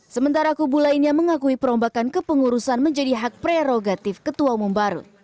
sementara kubu lainnya mengakui perombakan kepengurusan menjadi hak prerogatif ketua umum baru